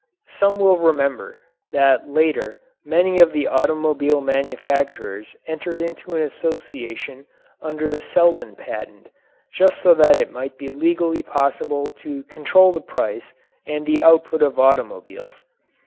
Some will remember that later many of the automobile manufacturers entered into an association under the Selden Patent just so that it might be legally possible to control the price and the output of automobiles.